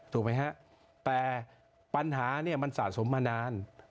ถูกไหมฮะแต่ปัญหาเนี่ยมันสะสมมานาน